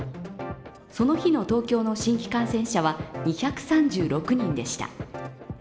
その日の東京の新規感染者は２３６人でした。